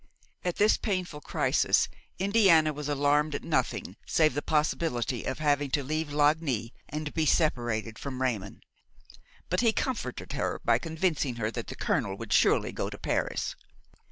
At this painful crisis Indiana was alarmed at nothing save the possibility of having to leave Lagny and be separated from Raymon; but he comforted her by convincing her that the colonel would surely go to Paris.